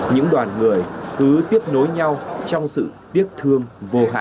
những đoàn người cứ tiếp nối nhau trong sự tiếc thương vô hạn